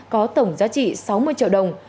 có tổng giá trị sáu mươi triệu đồng